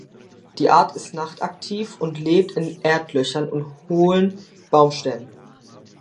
Die Art ist nachtaktiv und lebt in Erdlöchern und hohlen Baumstämmen.